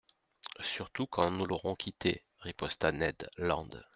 —Surtout quand nous l'aurons quitté !» riposta Ned Land.